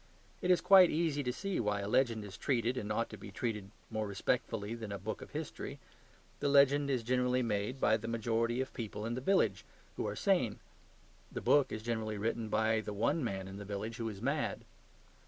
It is quite easy to see why a legend is treated, and ought to be treated, more respectfully than a book of history. The legend is generally made by the majority of people in the village, who are sane. The book is generally written by the one man in the village who is mad.